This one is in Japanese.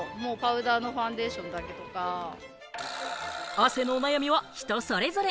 汗のお悩みは人それぞれ。